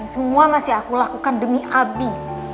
semua masih aku lakukan demi abi